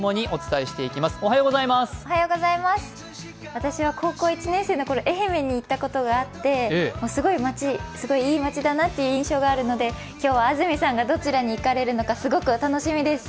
私は高校１年生のころ、愛媛に行ったことがあって、すごいいい街だなって印象があるので今日は安住さんがどちらに行かれるのかすごく楽しみです。